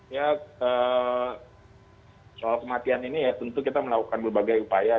ya soal kematian ini ya tentu kita melakukan berbagai upaya